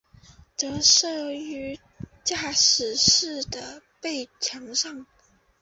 则设于驾驶室的背墙上。